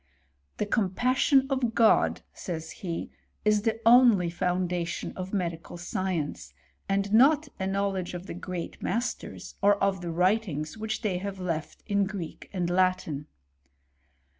^' The compassion of God," says he, *' is the only foundation of medical science, and not a knowledge of the great masters, or of the writings which they have left in Greek and Latin."